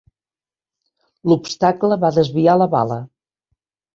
L'obstacle va desviar la bala.